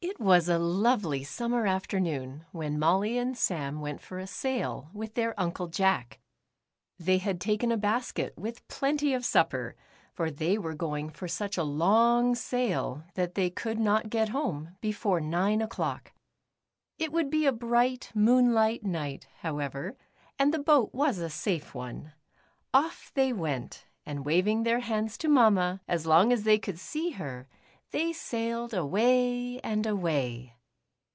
IT was a lovely summer afternoon when Molly and Sam went for a sail with their Uncle Jack. They had taken a basket with plenty of sup per, for they were going for such a long sail that they could not get home before nine o'clock. It would be a bright moonlight night, however, and the boat was a safe one. Off they went, and waving their hands to Mamma, as long as they could see her, they sailed away and away.